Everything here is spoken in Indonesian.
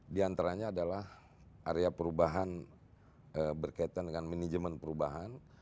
di antaranya adalah area perubahan berkaitan dengan manajemen perubahan